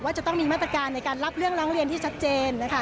จะต้องมีมาตรการในการรับเรื่องร้องเรียนที่ชัดเจนนะคะ